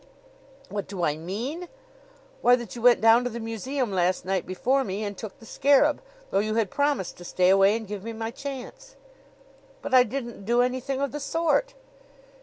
"What do I mean? Why, that you went down to the museum last night before me and took the scarab, though you had promised to stay away and give me my chance." "But I didn't do anything of the sort."